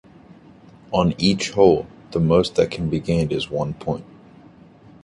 On each hole, the most that can be gained is one point.